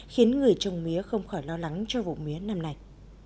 khiến người trồng mía không khỏi lo lắng cho vùng mía năm này